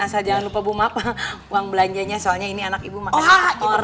asal jangan lupa bu mapa uang belanjanya soalnya ini anak ibu makan di motor